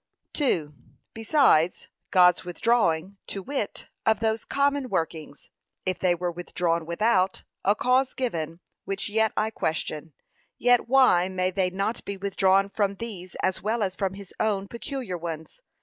2. Besides, God's withdrawing, to wit, of those common workings, if they were withdrawn without, a cause given which yet I question yet why may they not be withdrawn from these, as well as from his own peculiar ones.